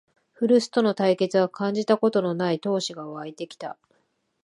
古巣との対決は感じたことのない闘志がわいてきた